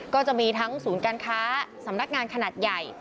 ก็จะมีทั้งศูนย์การค้าสำนักงานขนาดใหญ่